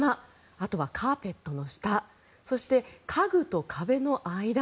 あとはカーペットの下そして、家具と壁の間。